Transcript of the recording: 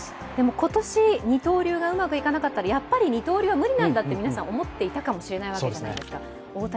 今年二刀流がうまくいかなかったら、やっぱり二刀流は無理なんだと皆さん思っていたかもしれないわけじゃないですか。